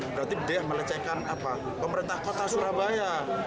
berarti dia melecehkan pemerintah kota surabaya